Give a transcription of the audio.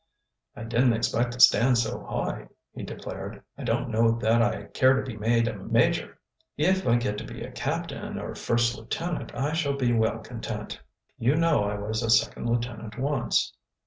"I didn't expect to stand so high," he declared. "I don't know that I care to be made major. If I get to be a captain or a first lieutenant I shall be well content. You know I was a second lieutenant once."